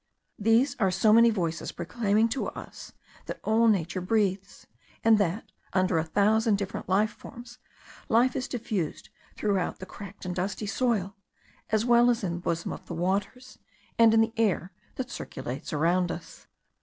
These are so many voices proclaiming to us that all nature breathes; and that, under a thousand different forms, life is diffused throughout the cracked and dusty soil, as well as in the bosom of the waters, and in the air that circulates around us.